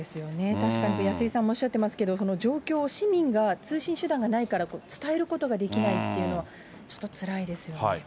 確かに安井さんもおっしゃってますけど、状況を市民が、通信手段がないから、伝えることができないっていうのは、ちょっとつらいですよね。